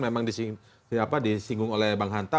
memang disinggung oleh bang hanta